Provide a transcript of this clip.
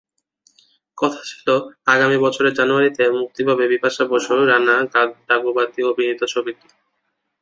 কথা ছিল, আগামী বছরের জানুয়ারিতে মুক্তি পাবে বিপাশা বসু-রানা ডাগুবাতি অভিনীত ছবিটি।